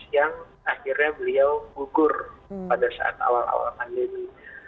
yang akhirnya beliau gugur pada saat awal awal pandemi